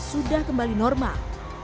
sudah kembali normal